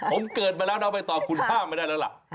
ผมเกิดมาแล้วเราไปตอบคุณภาพไม่ได้แล้วล่ะ